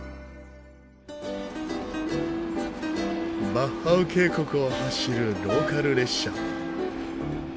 ヴァッハウ渓谷を走るローカル列車。